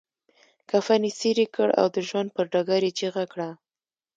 کفن يې څيري کړ او د ژوند پر ډګر يې چيغه کړه.